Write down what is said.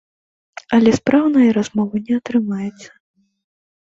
Але спраўнай размовы не атрымаецца.